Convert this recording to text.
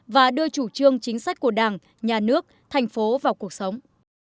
và đưa chủ trương chính sách của đảng nhà nước thành phố vào cuộc sống